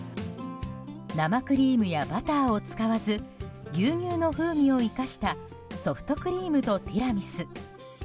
生クリームやバターを使わず牛乳の風味を生かしたソフトクリームとティラミス。